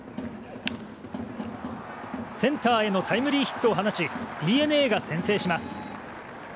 センターへのタイムリーヒットを放ちＤｅＮＡが先制します。